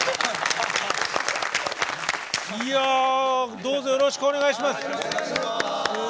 いやどうぞよろしくお願いします。